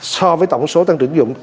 so với tổng số tăng trưởng dụng